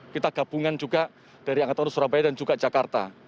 kita gabungan juga dari angkatan surabaya dan juga jakarta